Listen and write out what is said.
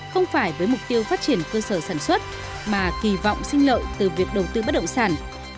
không phải với mục tiêu phát triển cơ sở sản xuất mà kỳ vọng sinh lợi từ việc đầu tư bất động sản